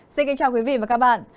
xin kính chào quý vị và các bạn